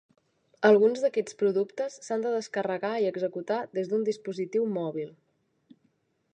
Alguns d'aquests productes s'han de descarregar i executar des d'un dispositiu mòbil.